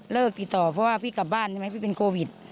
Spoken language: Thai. ติดต่อเพราะว่าพี่กลับบ้านใช่ไหมพี่เป็นโควิด